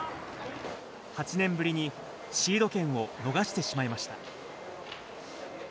８年ぶりにシード権を逃してしまいました。